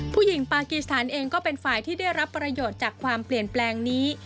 ปากีสถานเองก็เป็นฝ่ายที่ได้รับประโยชน์จากความเปลี่ยนแปลงนี้